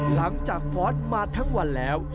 หลังจากฟอร์ตมาทั้งวันแล้ว